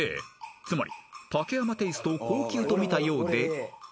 ［つまり竹山テイストを高級とみたようで］